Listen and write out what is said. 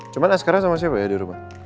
cuma sekarang sama siapa ya di rumah